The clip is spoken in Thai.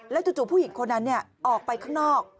จู่ผู้หญิงคนนั้นออกไปข้างนอก